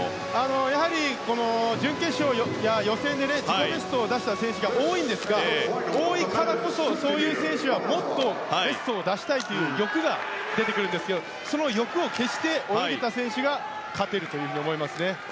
やはり、準決勝や予選で自己ベストを出した選手が多いんですが多いからこそそういう選手はもっとベストを出したいという欲が出てくるんですけどその欲を消して泳いだ選手が勝てると思いますね。